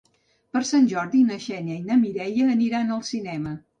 Per Sant Jordi na Xènia i na Mireia aniran al cinema.